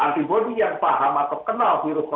antibodi yang paham mengenai virus covid sembilan belas